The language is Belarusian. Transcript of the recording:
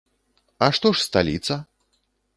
А што ж сталіца?